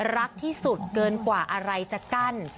รักที่สุดเกินกว่าอะไรจะกั้น